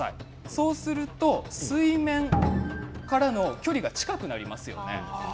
そうすると水面からの距離が近くなりますよね。